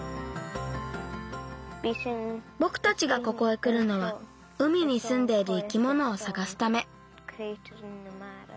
ぼくたちがここへくるのは海にすんでいる生き物をさがすため。